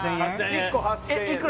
１個８０００円です